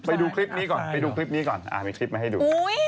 ไปดูคลิปนี้ก่อนหายมีคลิปมาให้ดู